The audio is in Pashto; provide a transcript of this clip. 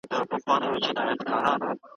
ایا ته غواړې چي د مرګ پر وخت شاکر اوسې؟